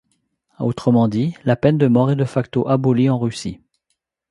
Autrement dit, la peine de mort est de facto abolie en Russie.